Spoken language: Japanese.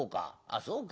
あそうか。